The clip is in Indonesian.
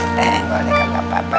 ya oke boleh kata papa